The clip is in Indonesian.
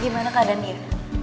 gimana keadaan diri